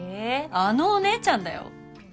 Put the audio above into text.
あのお姉ちゃんだよ。